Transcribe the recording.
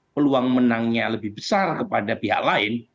peluang menangnya lebih besar kepada pihak lain